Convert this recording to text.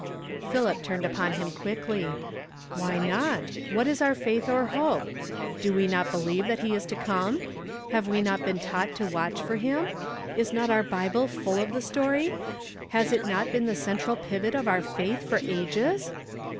Philip turned upon him quickly. "Why not? What is our faith or hope? Do we not believe that he is to come? Have we not been taught to watch for him ? Is not our Bible full of the story? Has it not been the central pivot of our faith for ages